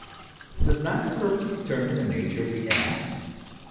Does not the purpose determine the nature of the act